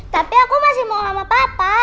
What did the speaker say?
tapi aku masih mau sama papa